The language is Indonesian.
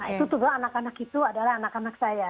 itu tuh anak anak itu adalah anak anak saya